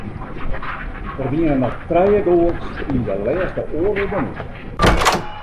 Der wiene noch trije goals yn de lêste oardel minút.